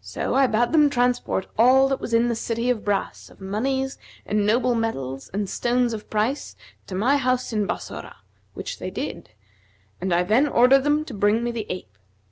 So I bade them transport all that was in the City of Brass of monies and noble metals and stones of price to my house in Bassorah, which they did; and I then ordered them to bring me the ape.